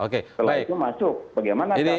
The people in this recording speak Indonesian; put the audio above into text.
kalau itu masuk bagaimana